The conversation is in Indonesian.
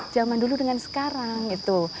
zaman dulu dengan sekarang gitu